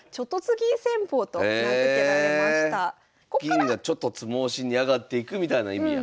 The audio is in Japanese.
銀が猪突猛進に上がっていくみたいな意味や。